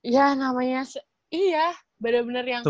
ya namanya iya bener bener yang